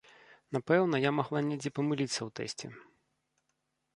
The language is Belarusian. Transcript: Напэўна, я магла недзе памыліцца ў тэсце.